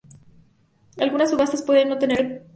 Algunas subastas pueden no tener tal precio.